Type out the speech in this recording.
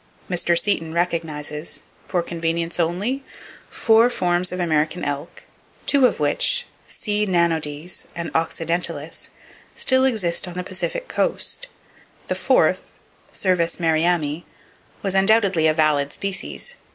Mr. Seton recognizes (for convenience, only?) four forms of American elk, two of which, C. nannodes and occidentalis, still exist on the Pacific Coast. The fourth, Cervus merriami, was undoubtedly a valid species.